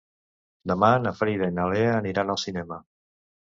Demà na Frida i na Lea aniran al cinema.